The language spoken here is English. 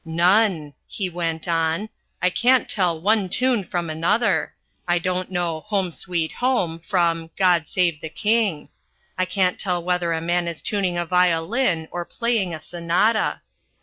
"None!" he went on. "I can't tell one tune from another. I don't know Home, Sweet Home from God Save the King. I can't tell whether a man is tuning a violin or playing a sonata."